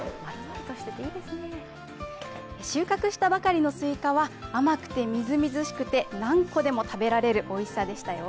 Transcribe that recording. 収穫したばかりのスイカは、甘くてみずみずしくて、何個でも食べられるおいしさでしたよ。